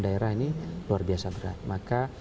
daerah ini luar biasa berat maka